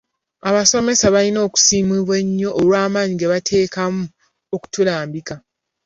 Abasomesa balina okusiimibwa ennyo olw'amaanyi ge bateekamu okutulambika.